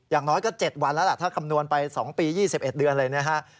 อย่างน้อยก็๗วันแล้วล่ะถ้าคำนวณไป๒ปี๒๑เดือนเลยนะฮะ